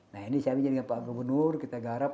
nah ini saya bersama pak gubernur kita garap